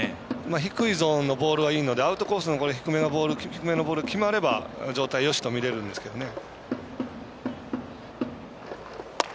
低いゾーンのボールはいいので、アウトコースの低めのボールが決まれば状態よしとみれるんですけどね。